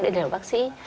để đều bác sĩ